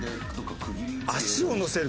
「足をのせる」